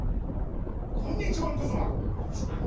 こんにちわんこそば！